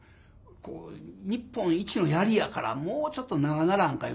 こう「日本一の槍やからもうちょっと長ならんか」